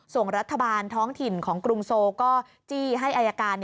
ส่วนรัฐบาลท้องถิ่นของกรุงโซก็จี้ให้อายการ